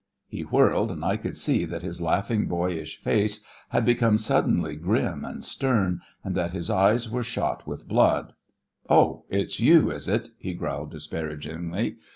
He whirled, and I could see that his laughing boyish face had become suddenly grim and stern, and that his eyes were shot with blood. "Oh, it's you, is it?" he growled disparagingly.